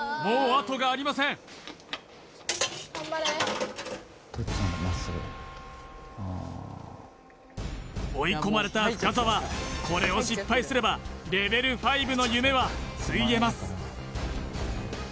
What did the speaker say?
ああ追い込まれた深澤これを失敗すればレベル５の夢はついえます